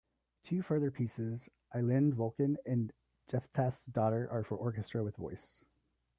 Two further pieces, "Eilende Wolken" and "Jephthah's Daughter", are for orchestra with voice.